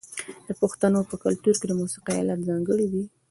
د پښتنو په کلتور کې د موسیقۍ الات ځانګړي دي.